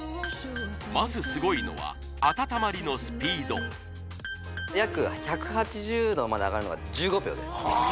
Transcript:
まずスゴいのは温まりのスピード約１８０℃まで上がるのが１５秒です